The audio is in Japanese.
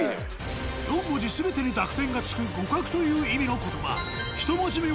４文字全てに濁点が付く互角という意味の言葉